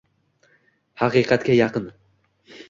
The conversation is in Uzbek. Haqiqatga yaqin